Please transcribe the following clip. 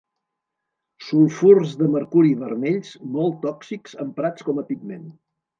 Sulfurs de mercuri vermells, molt tòxics, emprats com a pigment.